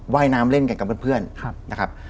ว่ายน้ำเล่นกันกับเพื่อนนะครับ